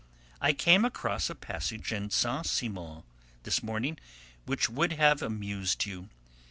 I came across a passage in Saint Simon this morning which would have amused you.